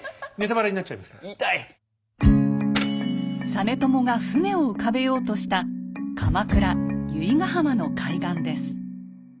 実朝が船を浮かべようとした鎌倉・由比ヶ浜の海岸です。